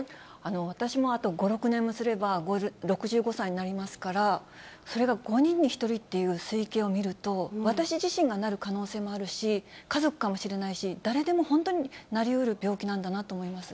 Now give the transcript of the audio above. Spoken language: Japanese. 私もあと５、６年もすれば、６５歳になりますから、それが５人に１人っていう推計を見ると、私自身がなる可能性もあるし、家族かもしれないし、誰でも本当になりうる病気なんだなと思います。